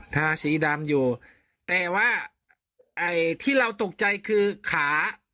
ทาสีดำอยู่แต่ว่าไอ้ที่เราตกใจคือขา